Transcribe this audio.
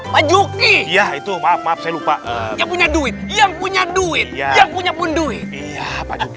pak yuki ya itu maaf maaf saya lupa yang punya duit yang punya duit yang punya pun duit iya